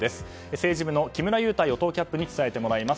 政治部の木村祐太与党キャップに伝えてもらいます。